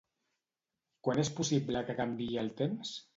Quan és possible que canviï el temps?